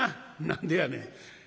「何でやねん」。